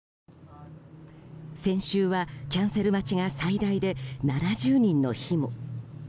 先週は、キャンセル待ちが最大で７０人の日も。